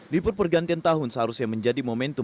libur pergantian tahun seharusnya menjadi momentum